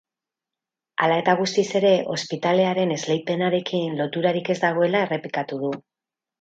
Hala eta guztiz ere, ospitalearen esleipenarekin loturarik ez dagoela errepikatu du.